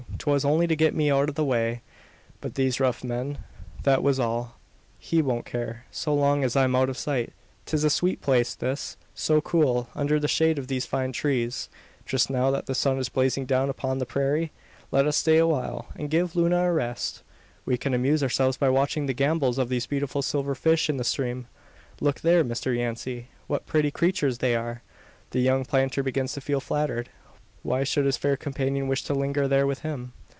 'Twas only to get me out of the way of these rough men that was all. He won't care; so long as I'm out of sight. 'Tis a sweet place, this; so cool, under the shade of these fine trees just now that the sun is blazing down upon the prairie. Let us stay a while, and give Luna a rest! We can amuse ourselves by watching the gambols of these beautiful silver fish in the stream. Look there, Mr Yancey! What pretty creatures they are!" The young planter begins to feel flattered. Why should his fair companion wish to linger there with him?